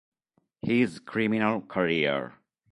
His Criminal Career